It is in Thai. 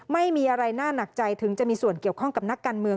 ไม่มีอะไรน่าหนักใจถึงจะมีส่วนเกี่ยวข้องกับนักการเมือง